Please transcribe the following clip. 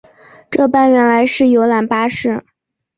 这班原来是游览巴士